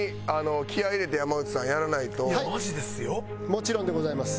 もちろんでございます。